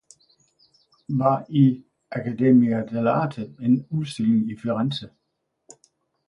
Var i academia delle arte en udstilling i firenze